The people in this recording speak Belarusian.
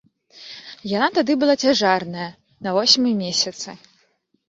Яна тады была цяжарная, на восьмым месяцы.